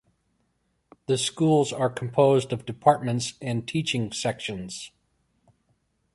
The schools are composed of departments and teaching sections.